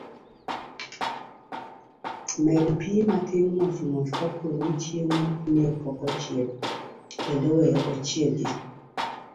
Med pii matin mos mos kaponi chiemo ne pok ochiek, kendo weye ochiegi.